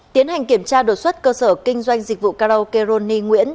tiến hành kiểm tra đột xuất cơ sở kinh doanh dịch vụ karaoke rony nguyễn